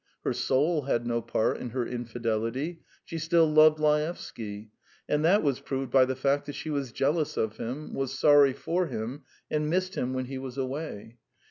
Her soul had no part in her infidelity; she still loved Laevsky, and that was proved by the fact that she was jealous of him, was sorry for him, and missed him when he was away.